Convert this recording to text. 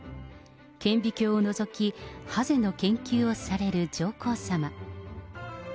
顕微鏡をのぞき、ハゼの研究をされる上皇さま。